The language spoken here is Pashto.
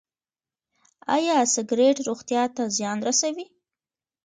ایا سګرټ روغتیا ته زیان رسوي؟